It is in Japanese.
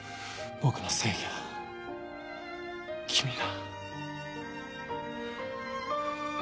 僕の正義は君だ。